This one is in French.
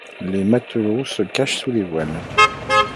Les matelots se cachent sous les voiles.